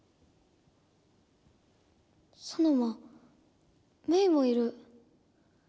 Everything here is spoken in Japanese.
ソノマメイもいる。